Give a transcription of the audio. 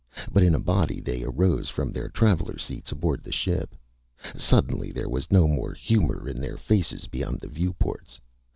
But in a body they arose from their traveler seats aboard the ship. Suddenly there was no more humor in their faces beyond the view ports.